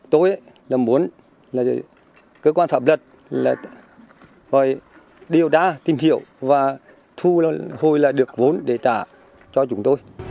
tin hiểu và thu hồi là được vốn để trả cho chúng tôi